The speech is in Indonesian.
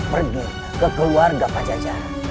pergi ke keluarga pajajara